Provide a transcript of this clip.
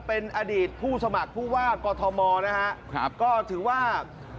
เป็นอดีตผู้สมัครผู้ว่ากอทมนะฮะครับก็ถือว่า